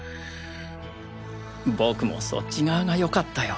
僕もそっち側がよかったよ